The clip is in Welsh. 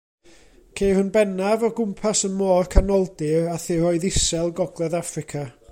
Ceir yn bennaf o gwmpas y Môr Canoldir a thiroedd isel Gogledd Affrica.